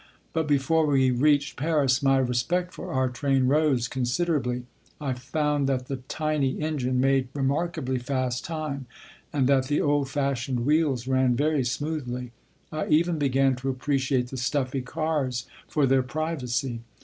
But before we reached Paris my respect for our train rose considerably. I found that the "tiny" engine made remarkably fast time, and that the old fashioned wheels ran very smoothly. I even began to appreciate the "stuffy" cars for their privacy.